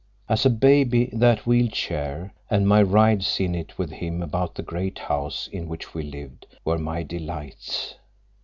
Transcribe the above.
As a baby that wheel chair, and my rides in it with him about the great house in which we lived, were my delights.